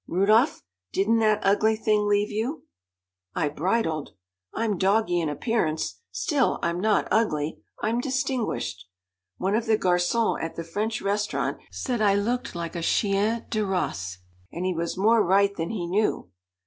"Rudolph, didn't that ugly thing leave you?" I bridled I'm doggy in appearance, still I'm not ugly I'm distinguished. One of the garçons at the French restaurant said I looked like a chien de race and he was more right than he knew.